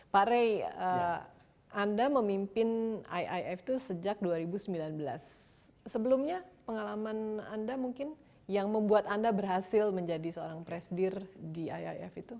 pak rey anda memimpin iif itu sejak dua ribu sembilan belas sebelumnya pengalaman anda mungkin yang membuat anda berhasil menjadi seorang presidir di iif itu